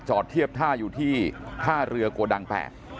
จอดเทียบท่าอยู่ที่ท่าเรือกระดังแปด